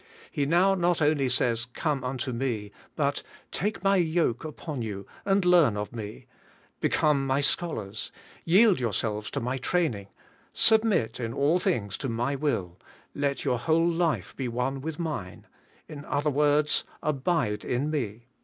He now not only says, *Come unto me,' but *Take my yoke upon you and learn of me ;' become my scholars, yield your . selves to my training, submit in all things to my will, let your whole life be one with mine, — in other words, Abide in me.